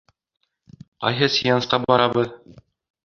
Ҡайһы сеансҡа барабыҙ?